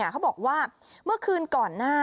เขาบอกว่าเมื่อคืนก่อนหน้า